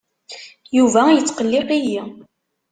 Yuba yettqelliq-iyi.